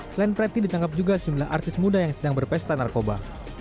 selain preti ditangkap juga sejumlah artis muda yang sedang berpesta narkoba